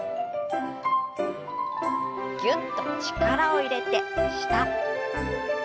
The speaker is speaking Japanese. ぎゅっと力を入れて下。